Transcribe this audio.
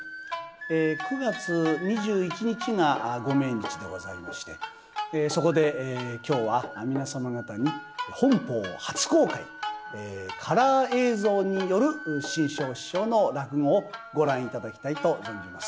９月２１日がご命日でございましてそこで今日は皆様方に本邦初公開カラー映像による志ん生師匠の落語をご覧頂きたいと存じます。